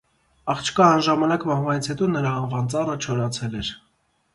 Աղջկա անժամանակ մահվանից հետո նրա անվան ծառը չորացել էր։